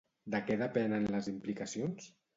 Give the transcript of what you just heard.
De què depenen les implicacions?